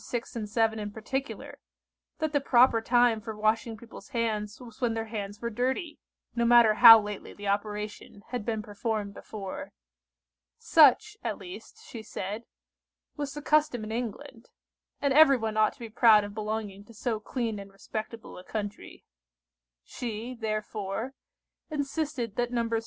6 and 7 in particular, that the proper time for washing people's hands was when their hands were dirty; no matter how lately the operation had been performed before. Such, at least, she said, was the custom in England, and everyone ought to be proud of belonging to so clean and respectable a country. She, therefore, insisted that Nos.